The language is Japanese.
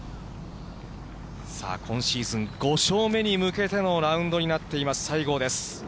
さあ、今シーズン、５勝目に向けてのラウンドになっています、西郷です。